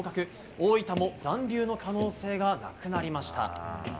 大分も残留の可能性がなくなりました。